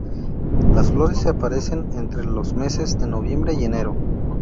Las flores se aparecen entre los meses de noviembre y enero.